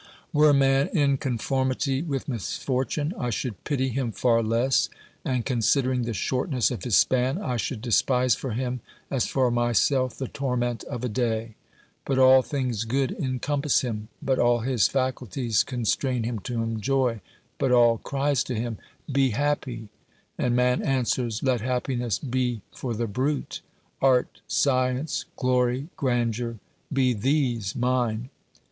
Were man in conformity with misfortune, I should pity him far less, and, considering the shortness of his span, I should despise for him as for myself the torment of a day. But all things good encompass him, but all his faculties constrain him to enjoy, but all cries to him :" Be happy !" I20 OBERMANN And man answers :" Let happiness be for the brute ; art, science, glory, grandeur — be these mine